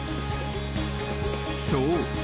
［そう。